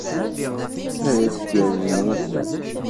Ad as-gerrzen wussan!